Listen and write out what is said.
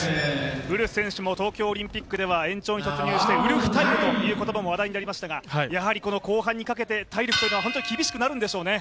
ウルフ選手も東京オリンピックでは延長に突入してウルフタイムという言葉も話題になりましたが、やはり後半にかけて体力は厳しくなるんでしょうね。